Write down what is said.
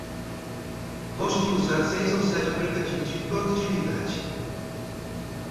Gosto de usar seis ou sete aplicativos de produtividade.